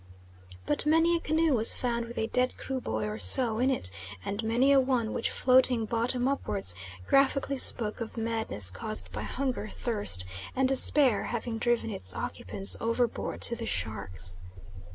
But many a canoe was found with a dead Kruboy or so in it; and many a one which, floating bottom upwards, graphically spoke of madness caused by hunger, thirst, and despair having driven its occupants overboard to the sharks.